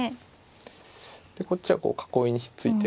でこっちは囲いについてる。